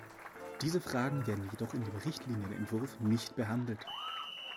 Diese Fragen werden jedoch in dem Richtlinienentwurf nicht behandelt.